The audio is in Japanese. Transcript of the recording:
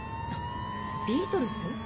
「ビートルズ」？